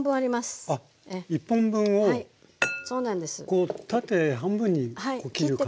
こう縦半分に切る感じですか？